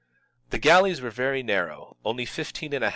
The galleys were very narrow, only 15 I feet in beam.